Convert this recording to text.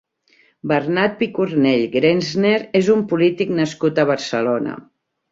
Bernat Picornell Grenzner és un polític nascut a Barcelona.